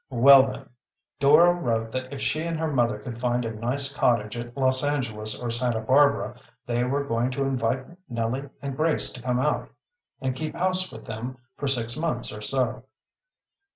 "Well then, Dora wrote that if she and her mother could find a nice cottage at Los Angeles or Santa Barbara they were going to invite Nellie and Grace to come out and keep house with them for six months or so."